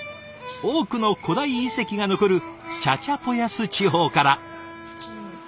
多くの古代遺跡が残るチャチャポヤス地方から。